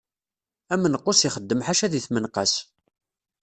Amenqus ixeddem ḥaca di tmenqas.